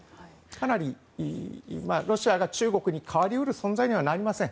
かなりロシアが中国に代わり得る存在にはなりません。